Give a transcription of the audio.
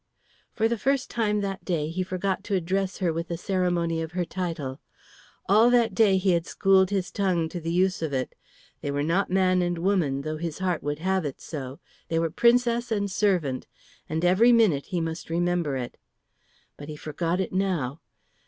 For the first time that day he forgot to address her with the ceremony of her title. All that day he had schooled his tongue to the use of it. They were not man and woman, though his heart would have it so; they were princess and servant, and every minute he must remember it. But he forgot it now.